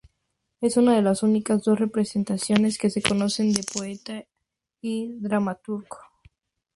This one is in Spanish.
Es una de las únicas dos representaciones que se conocen del poeta y dramaturgo.